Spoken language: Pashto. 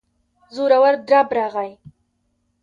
زورور درب راغی.